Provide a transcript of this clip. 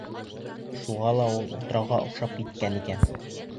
Шуға ла ул утрауға оҡшап киткән икән.